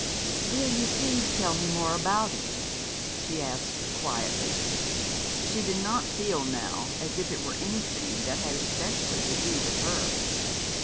"Will you please tell me more about it?" she asked quietly. She did not feel now as if it were anything which had especially to do with her.